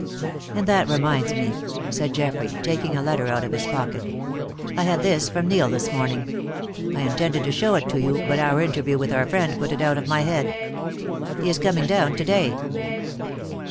"Ah, that reminds me," said Geoffrey, taking a letter out of his pocket. "I had this from Neil this morning. I intended to show it to you, but our interview with our friend put it out of my head. He is coming down to day."